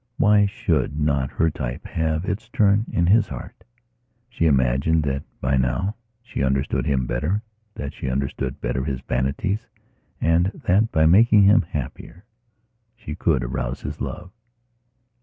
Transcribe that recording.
Why should not her type have its turn in his heart? She imagined that, by now, she understood him better, that she understood better his vanities and that, by making him happier, she could arouse his love.